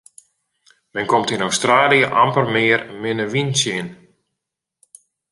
Men komt yn Australië amper mear in minne wyn tsjin.